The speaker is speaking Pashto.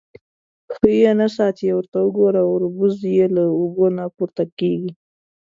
_ښه يې نه ساتې. ورته وګوره، وربوز يې له اوبو نه پورته کېږي.